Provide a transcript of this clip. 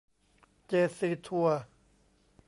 เจซีทัวร์